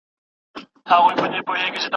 نور له زړه څخه ستا مینه سم ایستلای